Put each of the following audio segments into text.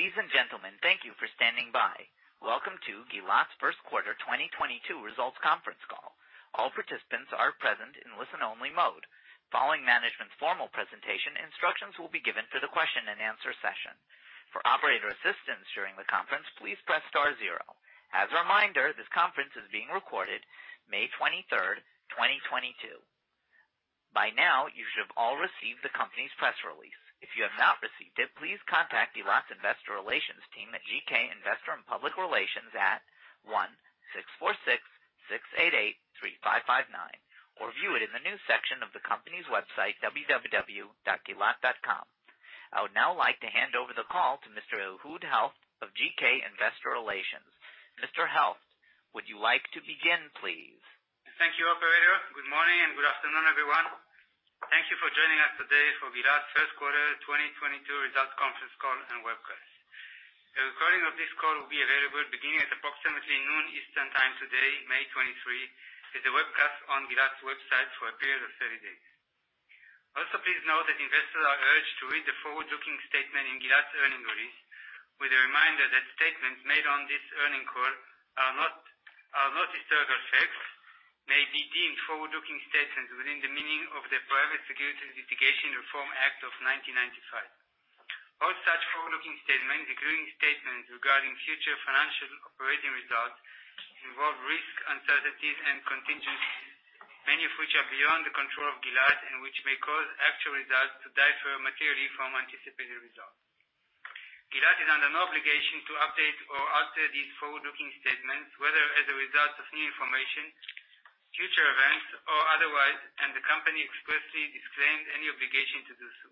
Ladies and gentlemen, thank you for standing by. Welcome to Gilat's first quarter 2022 results conference call. All participants are present in listen only mode. Following management's formal presentation, instructions will be given for the question and answer session. For operator assistance during the conference, please press star zero. As a reminder, this conference is being recorded May 23, 2022. By now, you should have all received the company's press release. If you have not received it, please contact Gilat Investor Relations team at GK Investor & Public Relations at 1-646-688-3559, or view it in the news section of the company's website, www.gilat.com. I would now like to hand over the call to Mr. Ehud Helft of GK Investor Relations. Mr. Helft, would you like to begin, please? Thank you, operator. Good morning and good afternoon, everyone. Thank you for joining us today for Gilat's first quarter 2022 results conference call and webcast. A recording of this call will be available beginning at approximately noon Eastern Time today, May 23, as a webcast on Gilat's website for a period of 30 days. Also, please note that investors are urged to read the forward-looking statement in Gilat's earnings release, with a reminder that statements made on this earnings call are not historical facts, may be deemed forward-looking statements within the meaning of the Private Securities Litigation Reform Act of 1995. All such forward-looking statements, including statements regarding future financial operating results, involve risks, uncertainties, and contingencies, many of which are beyond the control of Gilat and which may cause actual results to differ materially from anticipated results. Gilat is under no obligation to update or alter these forward-looking statements, whether as a result of new information, future events, or otherwise, and the company expressly disclaims any obligation to do so.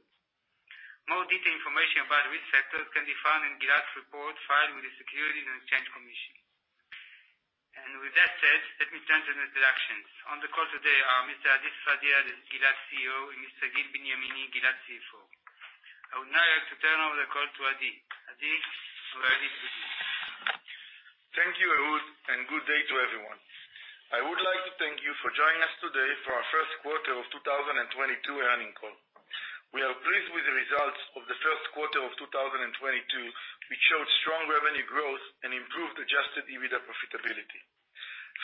More detailed information about risk factors can be found in Gilat's report filed with the Securities and Exchange Commission. With that said, let me turn to the introductions. On the call today are Mr. Adi Sfadia, the Gilat CEO, and Mr. Gil Benyamini, Gilat CFO. I would now like to turn over the call to Adi. Adi, we're ready to begin. Thank you, Ehud, and good day to everyone. I would like to thank you for joining us today for our first quarter of 2022 earnings call. We are pleased with the results of the first quarter of 2022, which showed strong revenue growth and improved adjusted EBITDA profitability.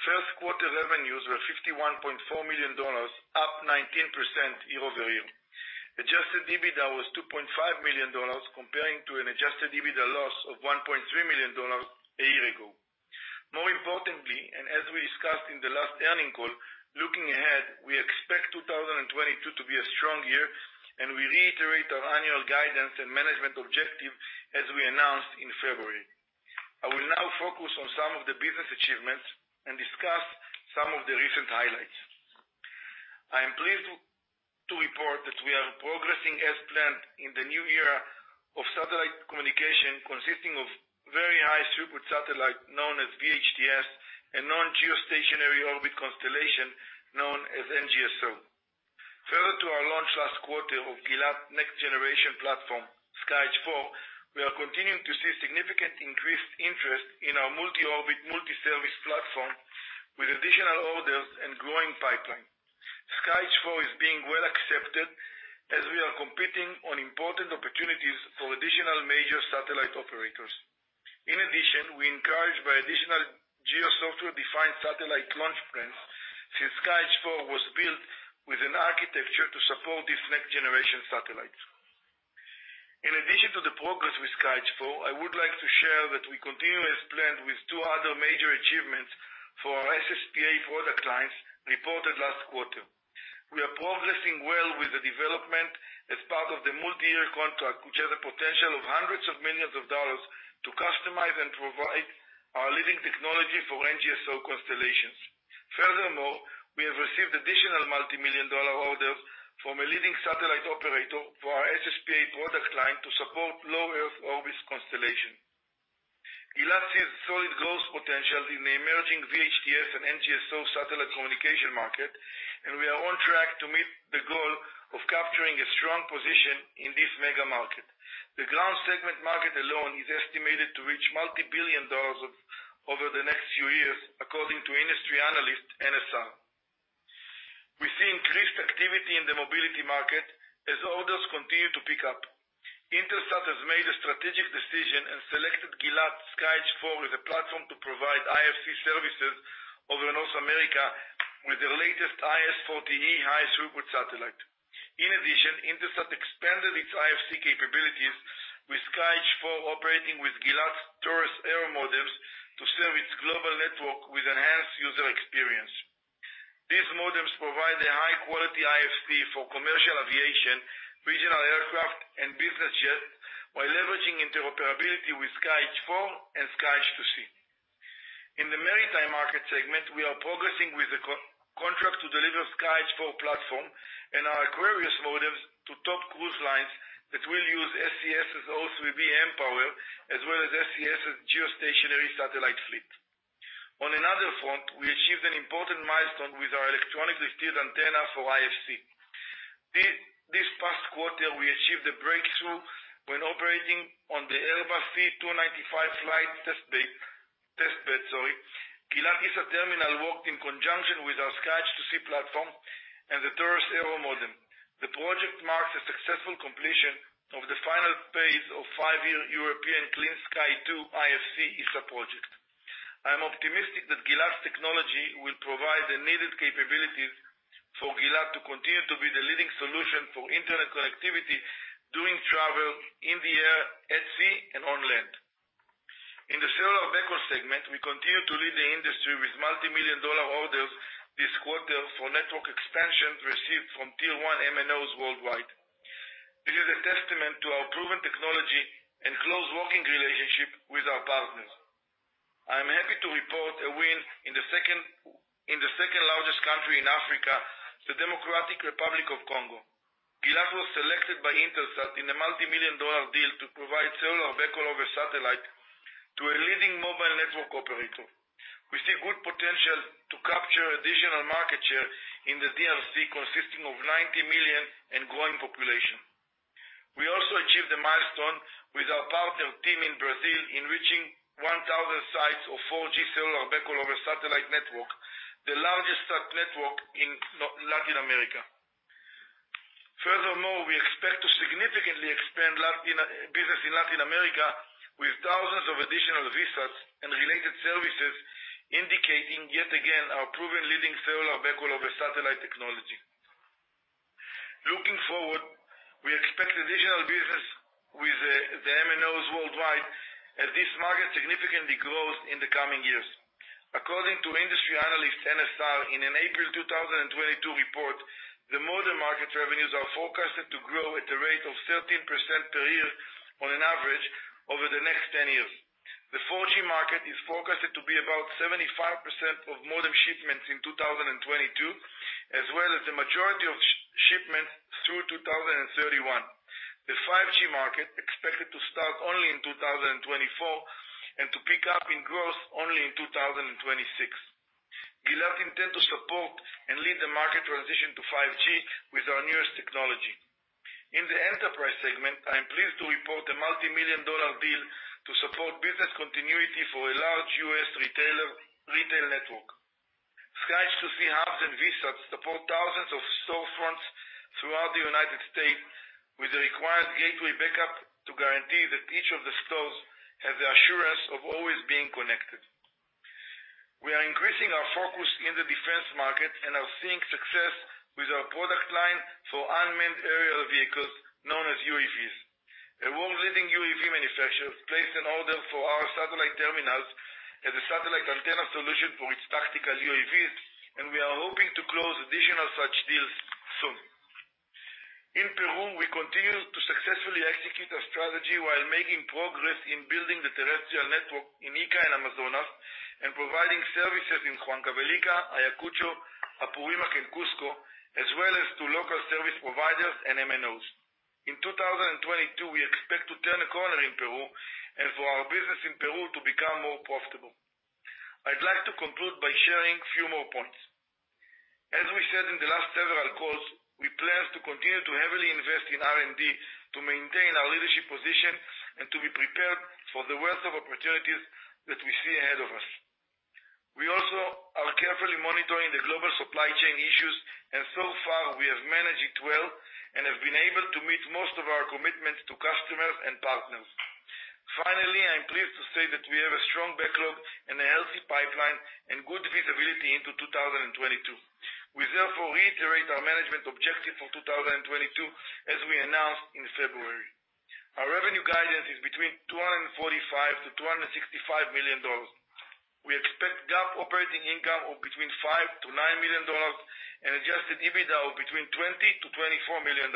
First quarter revenues were $51.4 million, up 19% year-over-year. Adjusted EBITDA was $2.5 million compared to an adjusted EBITDA loss of $1.3 million a year ago. More importantly, as we discussed in the last earnings call, looking ahead, we expect 2022 to be a strong year, and we reiterate our annual guidance and management objective as we announced in February. I will now focus on some of the business achievements and discuss some of the recent highlights. I am pleased to report that we are progressing as planned in the new era of satellite communication, consisting of very high throughput satellite known as VHTS and non-geostationary orbit constellation known as NGSO. Further to our launch last quarter of Gilat next generation platform, SkyEdge IV, we are continuing to see significantly increased interest in our multi-orbit, multi-service platform with additional orders and growing pipeline. SkyEdge IV is being well accepted as we are competing on important opportunities for additional major satellite operators. In addition, we're encouraged by additional GEO software-defined satellite launch plans since SkyEdge IV was built with an architecture to support these next generation satellites. In addition to the progress with SkyEdge IV, I would like to share that we continue as planned with two other major achievements for our SSPA product lines reported last quarter. We are progressing well with the development as part of the multi-year contract, which has a potential of hundreds of millions of dollars to customize and provide our leading technology for NGSO constellations. Furthermore, we have received additional multi-million dollar orders from a leading satellite operator for our SSPA product line to support low Earth orbit constellations. Gilat sees solid growth potential in the emerging VHTS and NGSO satellite communication market, and we are on track to meet the goal of capturing a strong position in this mega market. The ground segment market alone is estimated to reach multi-billion dollars over the next few years, according to industry analyst NSR. We see increased activity in the mobility market as orders continue to pick up. Intelsat has made a strategic decision and selected Gilat SkyEdge IV as a platform to provide IFC services over North America with the latest IS-40e high-throughput satellite. In addition, Intelsat expanded its IFC capabilities with SkyEdge IV operating with Gilat's Taurus Aero modems to serve its global network with enhanced user experience. These modems provide a high-quality IFC for commercial aviation, regional aircraft, and business jets while leveraging interoperability with SkyEdge IV and SkyEdge II-c. In the maritime market segment, we are progressing with a contract to deliver SkyEdge IV platform and our Aquarius modems to top cruise lines that will use SES O3b mPOWER, as well as SES geostationary satellite fleet. On another front, we achieved an important milestone with our electronically steered antenna for IFC. This past quarter, we achieved a breakthrough when operating on the Airbus C-295 flight test bed. Gilat ESA terminal worked in conjunction with our SkyEdge II-c platform and the Taurus Aero modem. The project marks a successful completion of the final phase of five-year European Clean Sky 2 ISSA project. I'm optimistic that Gilat's technology will provide the needed capabilities for Gilat to continue to be the leading solution for Internet connectivity during travel in the air, at sea, and on land. In the cellular backhaul segment, we continue to lead the industry with multimillion-dollar orders this quarter for network expansion received from tier one MNOs worldwide. This is a testament to our proven technology and close working relationship with our partners. I am happy to report a win in the second-largest country in Africa, the Democratic Republic of Congo. Gilat was selected by Intelsat in the multimillion-dollar deal to provide cellular backhaul over satellite to a leading mobile network operator. We see good potential to capture additional market share in the DRC, consisting of 90 million and growing population. We also achieved a milestone with our partner team in Brazil in reaching 1,000 sites of 4G cellular backhaul over satellite network, the largest such network in Latin America. Furthermore, we expect to significantly expand Latin business in Latin America with thousands of additional VSATs and related services, indicating, yet again, our proven leading cellular backhaul over satellite technology. Looking forward, we expect additional business with the MNOs worldwide as this market significantly grows in the coming years. According to industry analyst NSR, in an April 2022 report, the modem market revenues are forecasted to grow at a rate of 13% per year on an average over the next 10 years. The 4G market is forecasted to be about 75% of modem shipments in 2022, as well as the majority of shipments through 2031. The 5G market expected to start only in 2024 and to pick up in growth only in 2026. Gilat intend to support and lead the market transition to 5G with our newest technology. In the enterprise segment, I am pleased to report a multimillion-dollar deal to support business continuity for a large U.S. retailer, retail network. SkyEdge II-chubs and VSATs support thousands of storefronts throughout the United States with the required gateway backup to guarantee that each of the stores have the assurance of always being connected. We are increasing our focus in the defense market and are seeing success with our product line for unmanned aerial vehicles known as UAVs. A world-leading UAV manufacturer placed an order for our satellite terminals as a satellite antenna solution for its tactical UAVs, and we are hoping to close additional such deals soon. In Peru, we continue to successfully execute our strategy while making progress in building the terrestrial network in Ica and Amazonas and providing services in Huancavelica, Ayacucho, Apurímac, and Cusco, as well as to local service providers and MNOs. In 2022, we expect to turn a corner in Peru and for our business in Peru to become more profitable. I'd like to conclude by sharing few more points. As we said in the last several calls, we plan to continue to heavily invest in R&D to maintain our leadership position and to be prepared for the wealth of opportunities that we see ahead of us. We also are carefully monitoring the global supply chain issues, and so far, we have managed it well and have been able to meet most of our commitments to customers and partners. Finally, I'm pleased to say that we have a strong backlog and a healthy pipeline and good visibility into 2022. We therefore reiterate our management objective for 2022, as we announced in February. Our revenue guidance is between $245 million-$265 million. We expect GAAP operating income of between $5 million-$9 million and adjusted EBITDA of between $20 million-$24 million.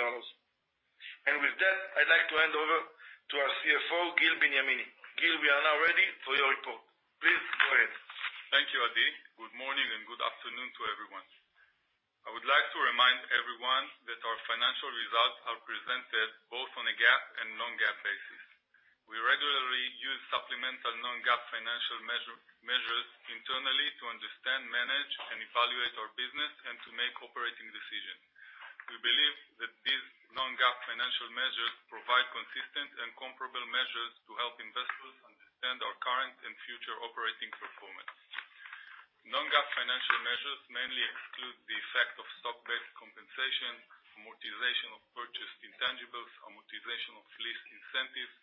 With that, I'd like to hand over to our CFO, Gil Benyamini. Gil, we are now ready for your report. Please go ahead. Thank you, Adi. Good morning and good afternoon to everyone. I would like to remind everyone that our financial results are presented both on a GAAP and non-GAAP basis. We regularly use supplemental non-GAAP financial measures internally to understand, manage, and evaluate our business and to make operating decisions. We believe that these non-GAAP financial measures provide consistent and comparable measures to help investors understand our current and future operating performance. Non-GAAP financial measures mainly exclude the effect of stock-based compensation, amortization of purchased intangibles, amortization of lease incentives,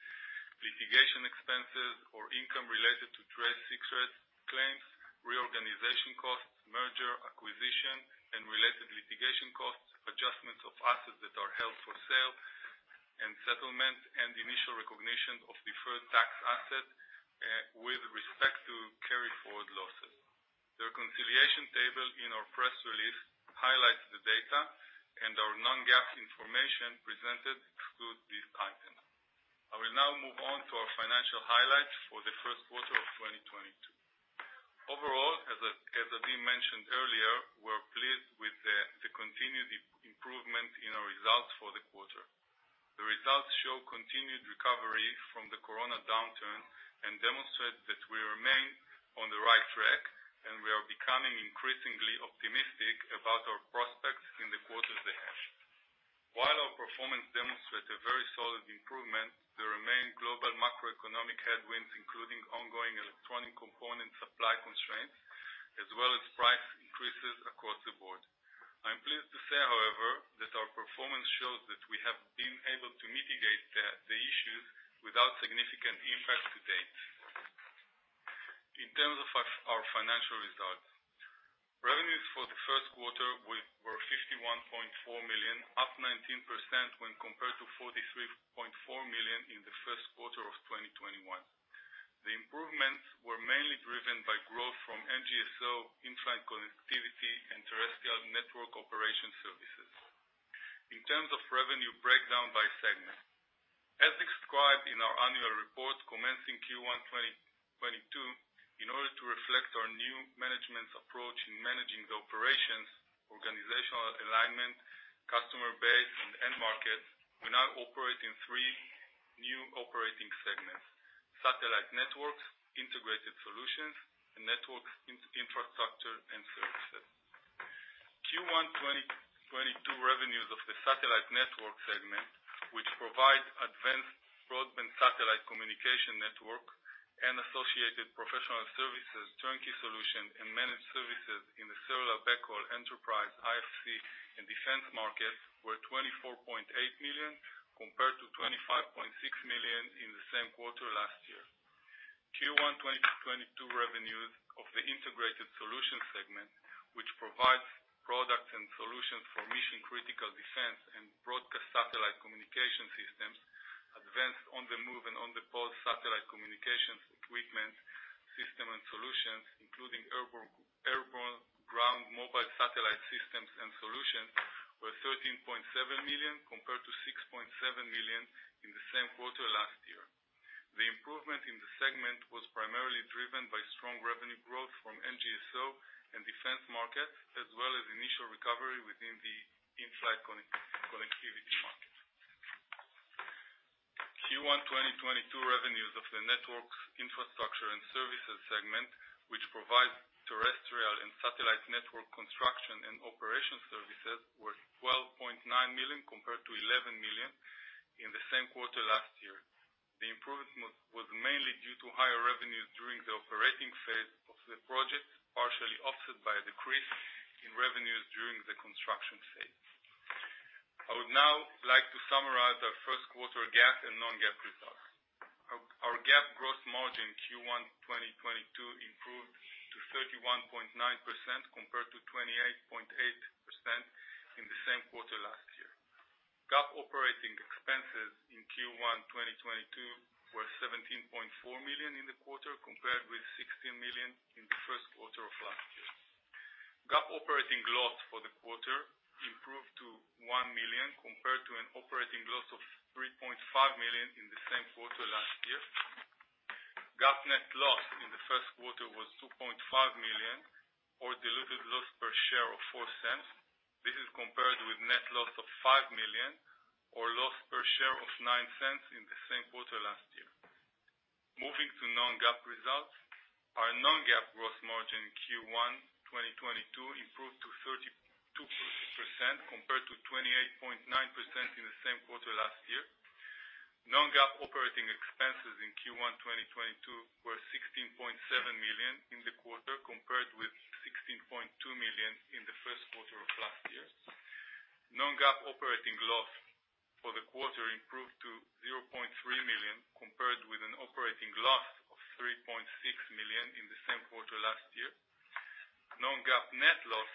litigation expenses or income related to trade secrets claims, reorganization costs, merger, acquisition, and related litigation costs, adjustments of assets that are held for sale and settlement, and the initial recognition of deferred tax assets with respect to carry forward losses. The reconciliation table in our press release highlights the data, and our non-GAAP information presented excludes these items. I will now move on to our financial highlights for the first quarter of 2022. Overall, as Adi mentioned earlier, we're pleased with the continued improvement in our results for the quarter. The results show continued recovery from the corona downturn and demonstrate that we remain on the right track, and we are becoming increasingly optimistic about our prospects in the quarters ahead. While our performance demonstrates a very solid improvement, there remain global macroeconomic headwinds, including ongoing electronic component supply constraints, as well as price increases across the board. I'm pleased to say, however, that our performance shows that we have been able to mitigate the issues without significant impact to date. In terms of our financial results, revenues for the first quarter were 51.4 million, up 19% when compared to 43.4 million in the first quarter of 2021. The improvements were mainly driven by growth from NGSO, in-flight connectivity, and terrestrial network operation services. In terms of revenue breakdown by segment. As described in our annual report commencing Q1 2022, in order to reflect our new management's approach in managing the operations, organizational alignment, customer base, and end markets, we now operate in three new operating segments: Satellite Networks, Integrated Solutions, and Networks Infrastructure and Services. Q1 2022 revenues of the Satellite Network segment, which provides advanced broadband satellite communication network and associated professional services, turnkey solution, and managed services in the cellular backhaul enterprise, IFC, and defense markets, were $24.8 million, compared to $25.6 million in the same quarter last year. Q1 2022 revenues of the Integrated Solution segment, which provides products and solutions for mission-critical defense and broadcast satellite communication systems, advanced on-the-move and on-the-pause satellite communications equipment system and solutions, including airborne ground mobile satellite systems and solutions, were $13.7 million compared to $6.7 million in the same quarter last year. The improvement in the segment was primarily driven by strong revenue growth from NGSO and defense markets, as well as initial recovery within the in-flight connectivity market. Q1 2022 revenues of the Networks Infrastructure and Services segment, which provides terrestrial and satellite network construction and operation services, were $12.9 million compared to $11 million in the same quarter last year. The improvement was mainly due to higher revenues during the operating phase of the project, partially offset by a decrease in revenues during the construction phase. I would now like to summarize our first quarter GAAP and non-GAAP results. Our GAAP gross margin Q1 2022 improved to 31.9% compared to 28.8% in the same quarter last year. GAAP operating expenses in Q1 2022 were $17.4 million in the quarter compared with $16 million in the first quarter of last year. GAAP operating loss for the quarter improved to $1 million compared to an operating loss of $3.5 million in the same quarter last year. GAAP net loss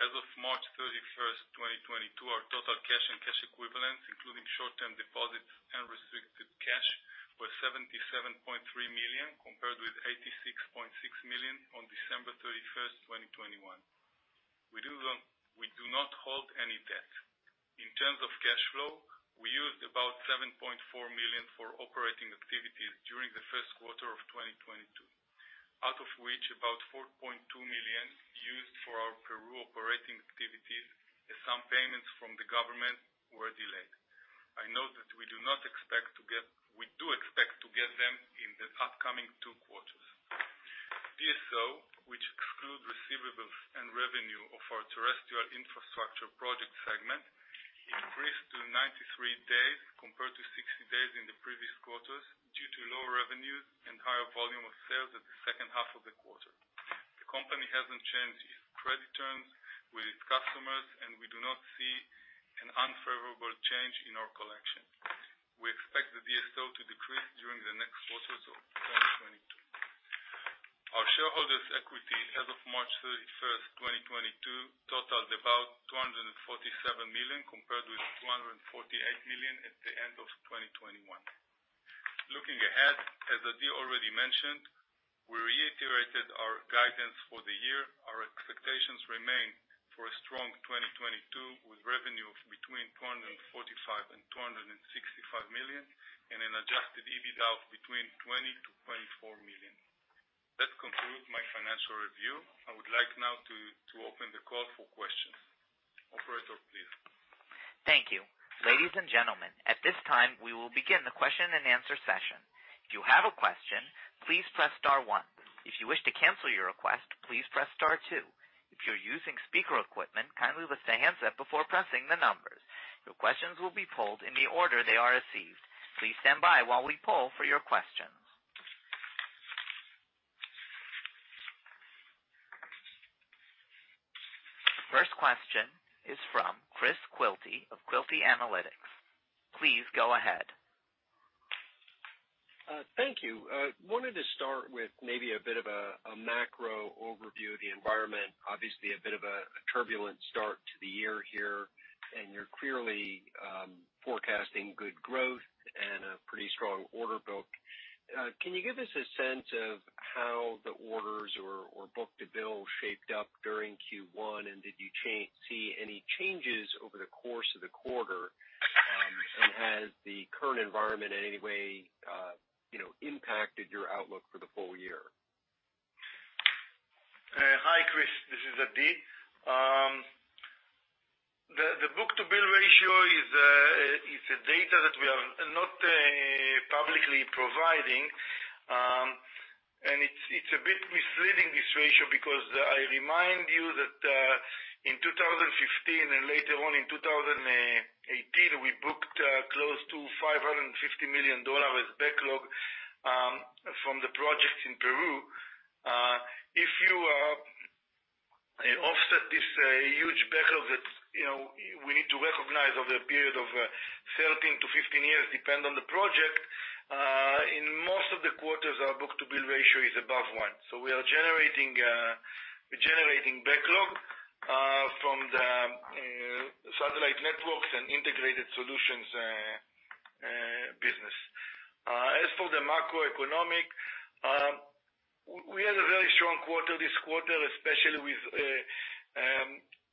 As of March 31st, 2022, our total cash and cash equivalents, including short-term deposits and restricted cash, were $77.3 million, compared with $86.6 million on December 31st, 2021. We do not hold any debt. In terms of cash flow, we used about $7.4 million for operating activities during the first quarter of 2022, out of which about $4.2 million used for our Peru operating activities, as some payments from the government were delayed. We do expect to get them in the upcoming two quarters. DSO, which excludes receivables and revenue of our Terrestrial Infrastructure Project segment, increased to 93 days compared to 60 days in the previous quarters due to lower revenues and higher volume of sales at the second half of the quarter. The company hasn't changed its credit terms with its customers, and we do not see an unfavorable change in our collection. We expect the DSO to decrease during the next quarters of 2022. Our shareholders' equity as of March 31st, 2022, totals about $247 million compared with $248 million at the end of 2021. Looking ahead, as Adi already mentioned, we reiterated our guidance for the year. Our expectations remain for a strong 2022 with revenue between $245 and $265 million, and an adjusted EBITDA of between $20 million-$24 million. That concludes my financial review. I would like now to open the call for questions. Operator, please. Thank you. Ladies and gentlemen, at this time, we will begin the question and answer session. If you have a question, please press star one. If you wish to cancel your request, please press star two. If you're using speaker equipment, kindly lift the handset before pressing the numbers. Your questions will be pulled in the order they are received. Please stand by while we pull for your questions. The first question is from Chris Quilty of Quilty Analytics. Please go ahead. Thank you. Wanted to start with maybe a bit of a macro overview of the environment. Obviously, a bit of a turbulent start to the year here, and you're clearly forecasting good growth and a pretty strong order book. Can you give us a sense of how the orders or book-to-bill shaped up during Q1, and did you see any changes over the course of the quarter? Has the current environment in any way, you know, impacted your outlook for the full year? Hi, Chris. This is Adi. The book-to-bill ratio is a data that we are not publicly providing. It's a bit misleading this ratio because I remind you that in 2015 and later on in 2018, we booked close to $550 million backlog from the project in Peru. If you offset this huge backlog that you know we need to recognize over the period of 13-15 years, depend on the project, in most of the quarters, our book-to-bill ratio is above one. We are generating backlog from the Satellite Networks and Integrated Solutions business. As for the macroeconomic, we had a very strong quarter this quarter, especially with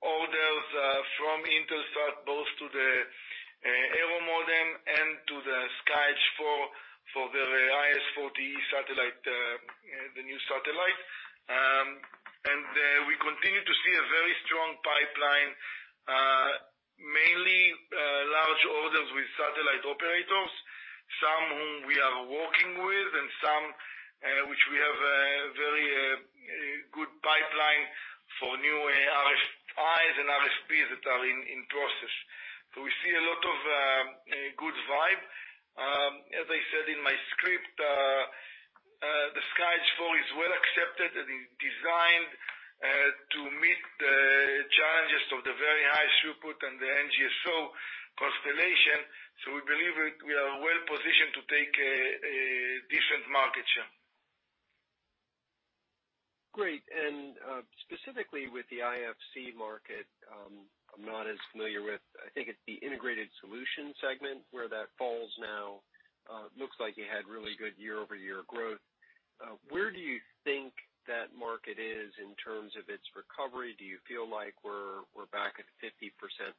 orders from Intelsat, both to the Aero modem and to the SkyEdge IV for the IS-40e satellite, the new satellite. We continue to see a very strong pipeline, mainly large orders with satellite operators, some whom we are working with and some which we have a very good pipeline for new RFIs and RFPs that are in process. We see a lot of good vibe. As I said in my script, the SkyEdge IV is well accepted and designed to meet the challenges of the very high throughput and the NGSO constellation. We believe it. We are well positioned to take a decent market share. Great. Specifically with the IFC market, I'm not as familiar with. I think it's the Integrated Solution segment where that falls now. Looks like you had really good year-over-year growth. Where do you think that market is in terms of its recovery? Do you feel like we're back at 50%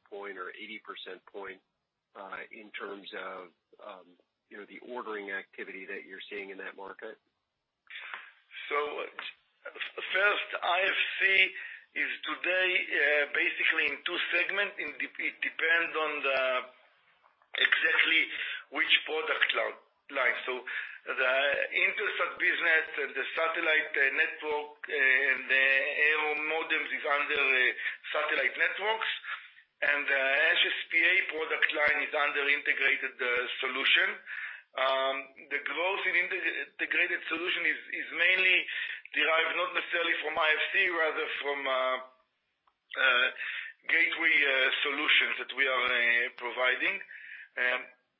point or 80% point, in terms of, you know, the ordering activity that you're seeing in that market? First, IFC is today basically in two segments. It depends on exactly which product line. The Intelsat business and the satellite network and the Aero modem is under Satellite Networks, and the SSPA product line is under Integrated Solution. The growth in Integrated Solution is mainly derived not necessarily from IFC rather from gateway solutions that we are providing.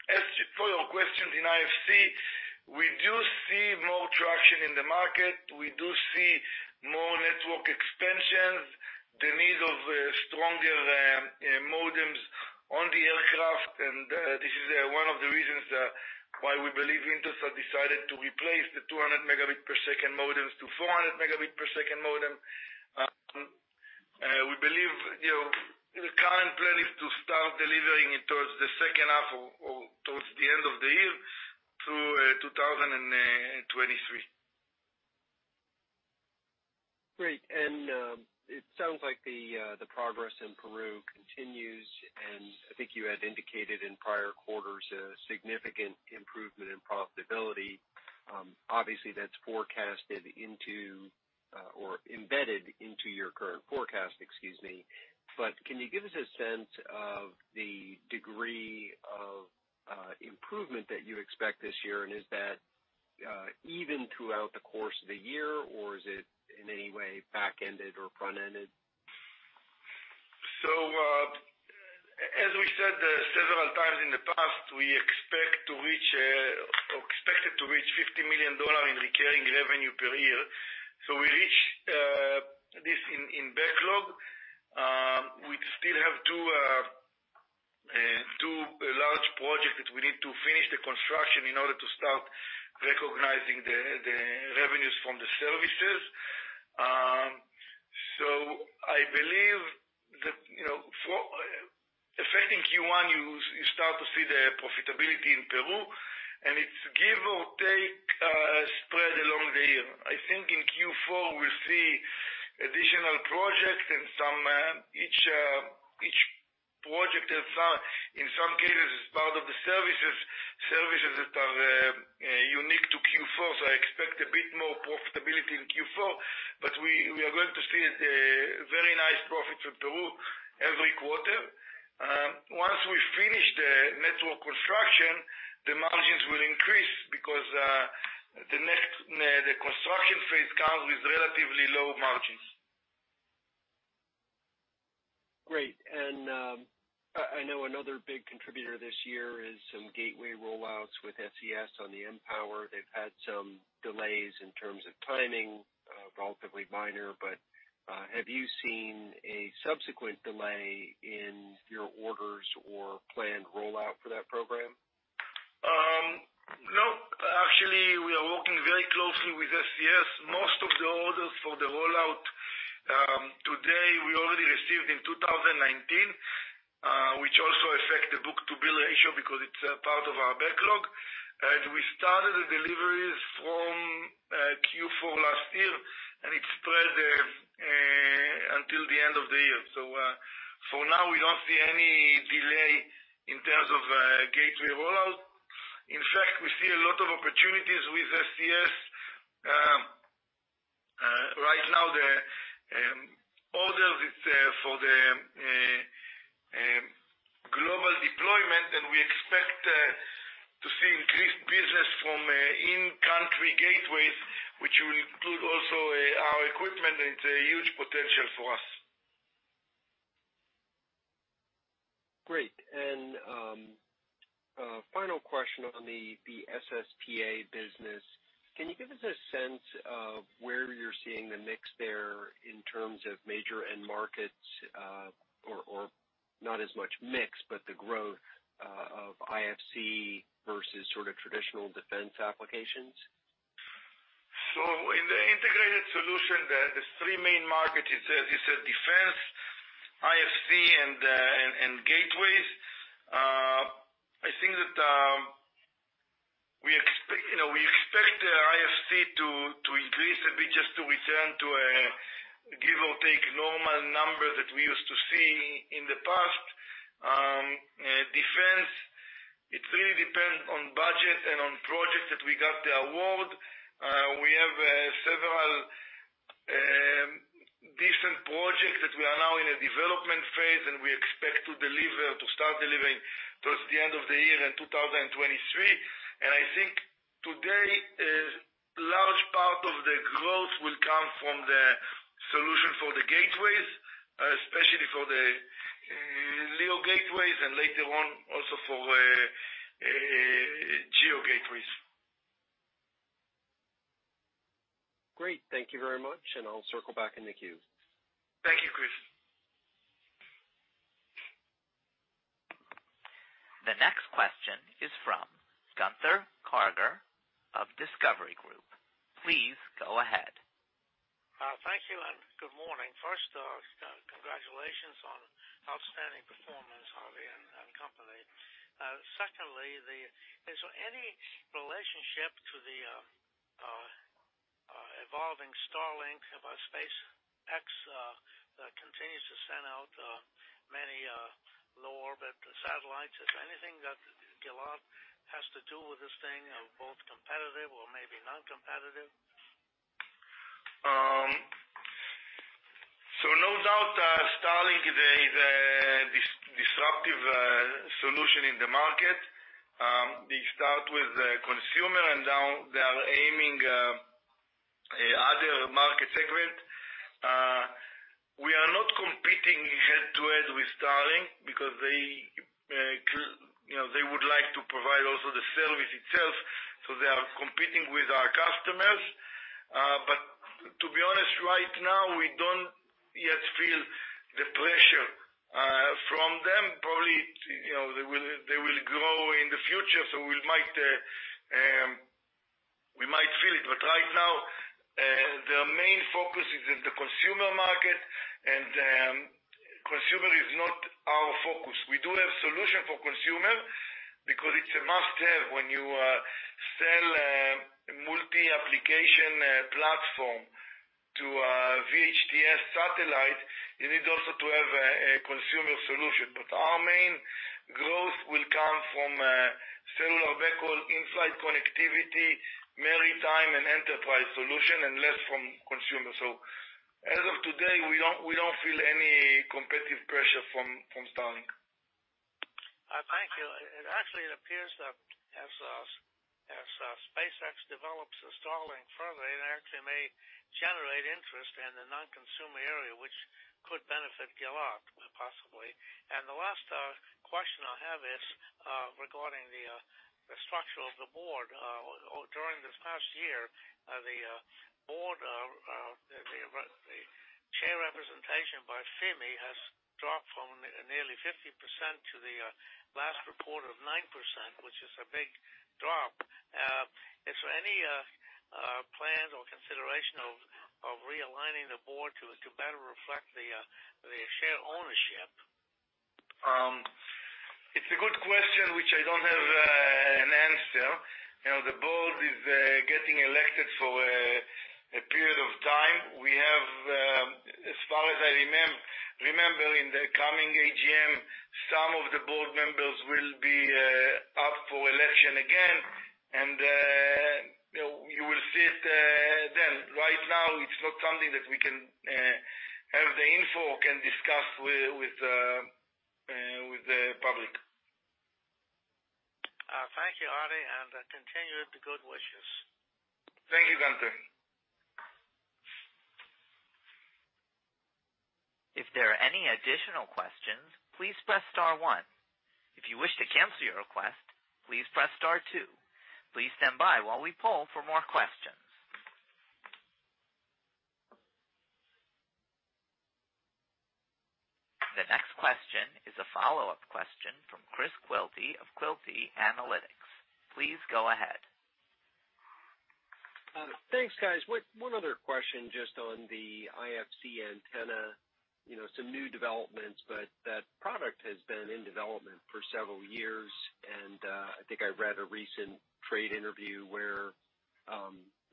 To follow up on your questions in IFC, we do see more traction in the market. We do see more network expansions, the need of stronger modems on the aircraft, and this is one of the reasons why we believe Intelsat decided to replace the 200 Mbps modems to 400 Mbps modem. We believe, you know, the current plan is to start delivering it towards the second half or towards the end of the year to 2023. Great. It sounds like the progress in Peru continues, and I think you had indicated in prior quarters a significant improvement in profitability. Obviously, that's forecasted into or embedded into your current forecast, excuse me. Can you give us a sense of the degree of improvement that you expect this year? Is that even throughout the course of the year, or is it in any way back-ended or front-ended? As we said several times in the past, we expect to reach $50 million in recurring revenue per year. We reach this in backlog. We still have two large projects that we need to finish the construction in order to start recognizing the revenues from the services. I believe that, you know, for affecting Q1, you start to see the profitability in Peru, and it's give or take spread along the year. I think in Q4, we'll see additional projects and some each project in some cases is part of the services that are unique to Q4. I expect a bit more profitability in Q4, but we are going to see the very nice profits with Peru every quarter. Once we finish the network construction, the margins will increase because the construction phase comes with relatively low margins. Great. I know another big contributor this year is some gateway rollouts with SES on O3b mPOWER. They've had some delays in terms of timing, relatively minor, but have you seen a subsequent delay in your orders or planned rollout for that program? No. Actually, we are working very closely with SES. Most of the orders for the rollout today, we already received in 2019, which also affect the book-to-bill ratio because it's a part of our backlog. As we started the deliveries from Q4 last year, and it spread until the end of the year. For now, we don't see any delay in terms of gateway rollout. In fact, we see a lot of opportunities with SES. Right now, the orders is for the global deployment, and we expect to see increased business from in-country gateways, which will include also our equipment, and it's a huge potential for us. Great. Final question on the SSPA business. Can you give us a sense of where you're seeing the mix there in terms of major end markets, or not as much mix, but the growth of IFC versus sort of traditional defense applications? In the Integrated Solution, the three main market is defense, IFC, and gateways. I think that you know we expect IFC to increase a bit just to return to give or take normal number that we used to see in the past. Defense, it really depends on budget and on projects that we got the award. We have several decent projects that we are now in a development phase, and we expect to start delivering towards the end of the year in 2023. I think a large part of the growth will come from the solution for the gateways, especially for the LEO gateways, and later on, also for GEO gateways. Great. Thank you very much, and I'll circle back in the queue. Thank you, Chris. The next question is from Gunther Karger of Discovery Group. Please go ahead. Thank you and good morning. First, congratulations on outstanding performance, Adi and company. Secondly, is there any relationship to the evolving Starlink, about SpaceX, continues to send out many low orbit satellites? Is anything that Gilat has to do with this thing, both competitive or maybe non-competitive? No doubt, Starlink is a disruptive solution in the market. They start with the consumer, and now they are aiming other market segment. We are not competing head-to-head with Starlink because they, you know, they would like to provide also the service itself, so they are competing with our customers. To be honest, right now, we don't yet feel the pressure from them. Probably, you know, they will grow in the future, so we might feel it. Right now, their main focus is in the consumer market, and consumer is not our focus. We do have solution for consumer because it's a must-have when you sell multi-application platform to a VHTS satellite. You need also to have a consumer solution. Our main growth will come from cellular backhaul, in-flight connectivity, maritime, and enterprise solution, and less from consumer. As of today, we don't feel any competitive pressure from Starlink. Thank you. It actually appears that as SpaceX develops Starlink further, it actually may generate interest in the non-consumer area, which could benefit Gilat possibly. The last question I have is regarding the structure of the board. During this past year, the board share representation by FIMI has dropped from nearly 50% to the last report of 9%, which is a big drop. Is there any plans or consideration of realigning the board to better reflect the share ownership? It's a good question, which I don't have an answer. You know, the board is getting elected for a period of time. We have, as far as I remember, in the coming AGM, some of the Board members will be up for election again, and you know, you will see it then. Right now it's not something that we can have the info or can discuss with the public. Thank you, Adi, and I continue with the good wishes. Thank you, Gunther. If there are any additional questions, please press star one. If you wish to cancel your request, please press star two. Please stand by while we poll for more questions. The next question is a follow-up question from Chris Quilty of Quilty Analytics. Please go ahead. Thanks, guys. One other question just on the IFC antenna, you know, some new developments, but that product has been in development for several years, and I think I read a recent trade interview where,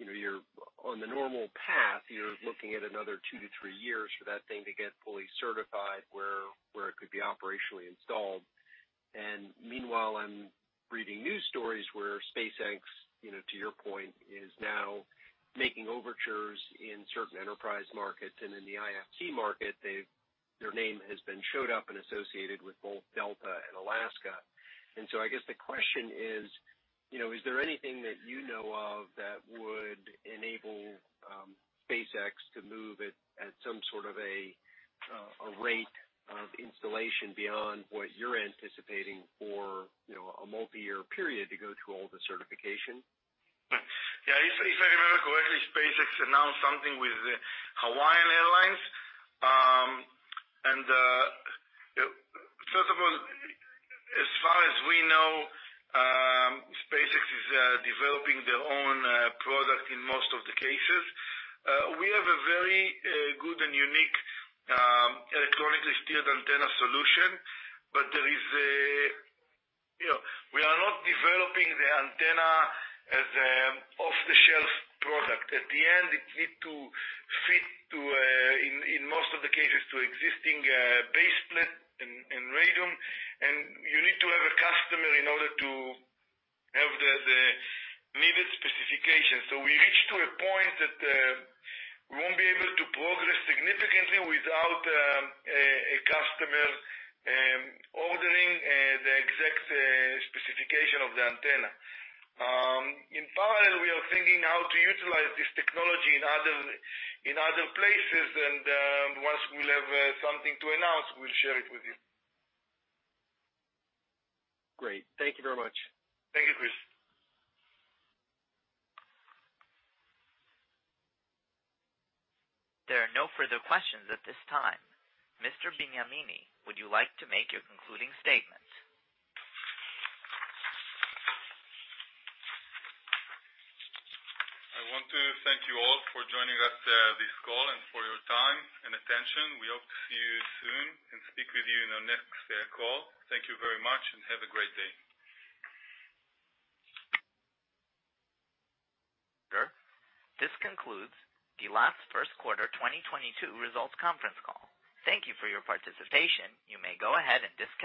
you know, you're on the normal path, you're looking at another two to three years for that thing to get fully certified where it could be operationally installed. Meanwhile, I'm reading news stories where SpaceX, you know, to your point, is now making overtures in certain enterprise markets and in the IFC market, they've their name has been shown up and associated with both Delta and Alaska. I guess the question is, you know, is there anything that you know of that would enable SpaceX to move at some sort of a rate of installation beyond what you're anticipating for, you know, a multi-year period to go through all the certification? Yeah. If I remember correctly, SpaceX announced something with Hawaiian Airlines. First of all, as far as we know, SpaceX is developing their own product in most of the cases. We have a very good and unique electronically steered antenna solution, but there is a you know, we are not developing the antenna as off-the-shelf product. At the end, it need to fit to, in most of the cases, to existing base split and radome, and you need to have a customer in order to have the needed specification. We reached to a point that we won't be able to progress significantly without a customer ordering the exact specification of the antenna. In parallel, we are thinking how to utilize this technology in other places, and once we'll have something to announce, we'll share it with you. Great. Thank you very much. Thank you, Chris. There are no further questions at this time. Mr. Benyamini, would you like to make your concluding statement? I want to thank you all for joining us this call and for your time and attention. We hope to see you soon and speak with you in our next call. Thank you very much and have a great day. This concludes the first quarter 2022 results conference call. Thank you for your participation. You may go ahead and disconnect.